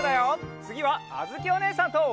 つぎはあづきおねえさんと。